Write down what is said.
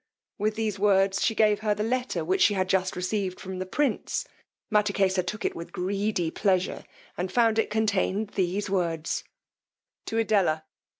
with these words she gave her the letter which she had just received from the prince, Mattakesa took it with a greedy pleasure, and found it contained these lines: To EDELLA.